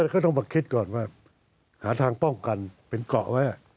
ก็ต้องมาคิดก่อนว่าหาทางป้องกันเป็นเกาะไว้